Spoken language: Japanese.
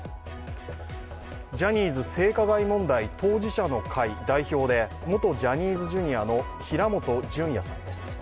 ジャニーズ性加害問題当事者の会代表で元ジャニーズＪｒ．の平本淳也さんです。